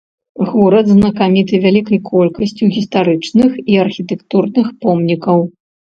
Горад знакаміты вялікай колькасцю гістарычных і архітэктурных помнікаў.